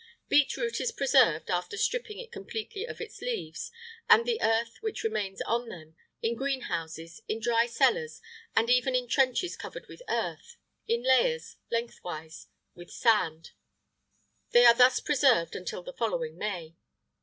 Beet root is preserved, after stripping it completely of its leaves, and the earth which remains on them, in greenhouses, in dry cellars, and even in trenches covered with earth, in layers, lengthwise, with sand. They are thus preserved until the following May.